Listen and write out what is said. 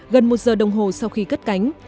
gần một giờ đồng hồ sau khi cất cánh